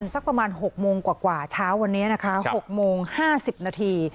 สักประมาณ๖โมงกว่าเช้าวันนี้นะคะ๖โมง๕๐นาที